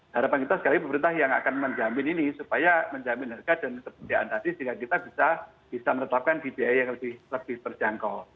harapan kita sekali pemerintah yang akan menjamin ini supaya menjamin harga dan kebutuhan tadi sehingga kita bisa menetapkan di biaya yang lebih terjangkau